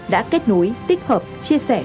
đã kết nối tích hợp chia sẻ